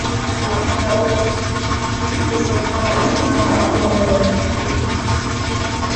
kimatendo wakati Ukristo hufuata sana moyo wenye kukiri makosa na